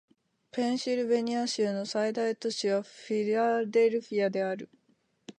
ペンシルベニア州の最大都市はフィラデルフィアである